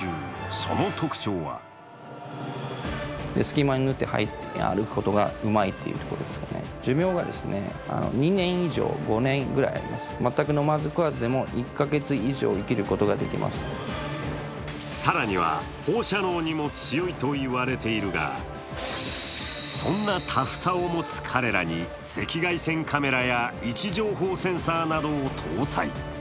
その特徴は更には、放射能にも強いと言われているがそんなタフさを持つ彼らに赤外線カメラや位置情報センサーなどを搭載。